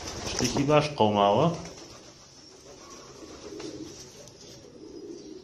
شتێکی باش قەوماوە؟